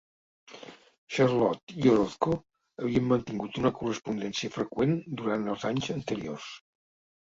Charlot i Orozco havien mantingut una correspondència freqüent durant els anys anteriors.